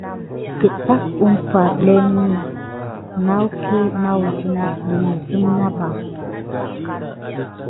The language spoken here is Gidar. Kedan umpay ɗaki lemi naku nasum naba.